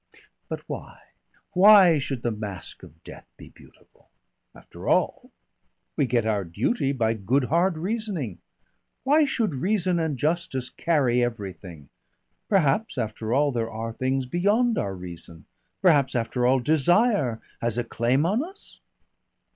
"But why why should the mask of death be beautiful? After all We get our duty by good hard reasoning. Why should reason and justice carry everything? Perhaps after all there are things beyond our reason, perhaps after all desire has a claim on us?"